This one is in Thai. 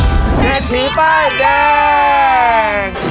แทนผีป้ายแดง